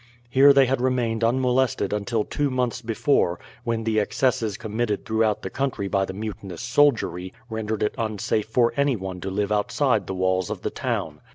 Here they had remained unmolested until two months before, when the excesses committed throughout the country by the mutinous soldiery rendered it unsafe for anyone to live outside the walls of the town.